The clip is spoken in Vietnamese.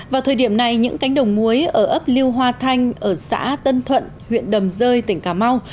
vào thời điểm này những cánh đồng muối ở ấp liêu hoa thanh ở xã tân thuận huyện đầm rơi tỉnh cà mau